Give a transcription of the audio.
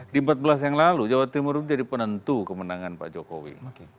di empat belas yang lalu jawa timur itu jadi penentu kemenangan pak jokowi